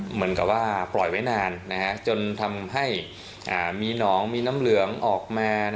เหมือนกับว่าปล่อยไว้นานจนทำให้มีหนองมีน้ำเหลืองออกมา